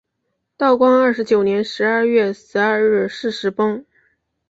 道光二十九年十二月十二日巳时崩。